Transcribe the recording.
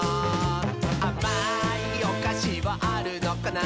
「あまいおかしはあるのかな？」